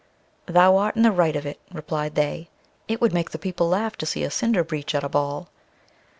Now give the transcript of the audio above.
"Thou art in the right of it," replied they, "it would make the people laugh to see a Cinder breech at a ball."